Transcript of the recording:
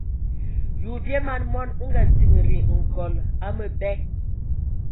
Ye o bie man mɔn, o nga tindi nkol a məbɛ.